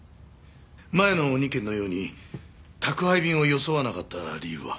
前の２件のように宅配便を装わなかった理由は？